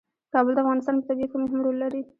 کابل د افغانستان په طبیعت کې مهم رول لري.